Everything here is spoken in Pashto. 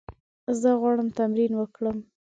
زه غواړم تمرین وکړم.